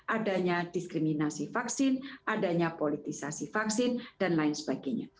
adanya diskriminasi vaksin adanya politisasi vaksin dan lain sebagainya